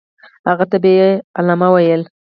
هغه ته به یې علامه ویل.